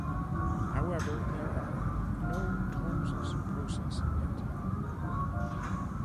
However, there are no Tomes' process yet.